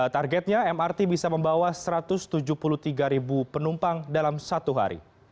targetnya mrt bisa membawa satu ratus tujuh puluh tiga penumpang dalam satu hari